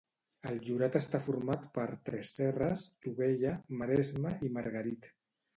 El jurat està format per Tresserras, Tubella, Maresma i Margarit.